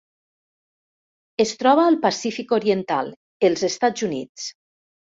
Es troba al Pacífic oriental: els Estats Units.